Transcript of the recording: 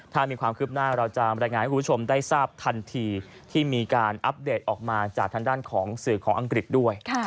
ถ้ามีความคืบหน้าเราจะรายงานให้คุณผู้ชมได้ทราบทันทีที่มีการอัปเดตออกมาจากทางด้านของสื่อของอังกฤษด้วย